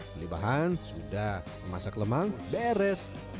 beli bahan sudah memasak lemang beres